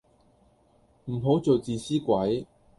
唔好做自私鬼